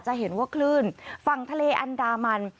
จะเห็นว่าคลื่นฝั่งทะเลอันดามัน